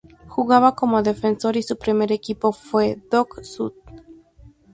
Jugaba como defensor y su primer equipo fue Dock Sud.